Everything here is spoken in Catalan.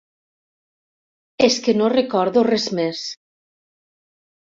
És que no recordo res més!